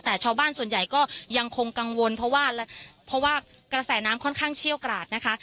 แต่ชาวบ้านส่วนใหญ่ก็ยังคงกังวลเพราะว่าเพราะว่ากระแสน้ำค่อนข้างเชี่ยวกราดนะคะ